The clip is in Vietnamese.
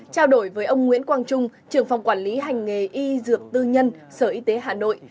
trao đổi với ông nguyễn quang trung trưởng phòng quản lý hành nghề y dược tư nhân sở y tế hà nội